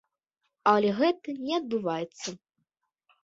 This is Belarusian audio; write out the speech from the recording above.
Але гэтага не адбываецца.